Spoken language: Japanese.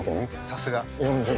さすが。